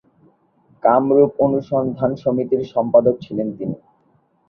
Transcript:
কামরুপ অনুসন্ধান সমিতির সম্পাদক ছিলেন তিনি।